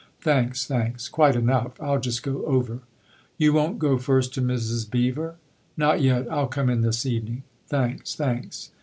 " Thanks, thanks quite enough. I'll just go over." " You won't go first to Mrs. Beever ?"" Not yet I'll come in this evening. Thanks, thanks